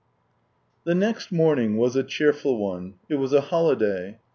II The next morning was a cheerful one; it was a holiday.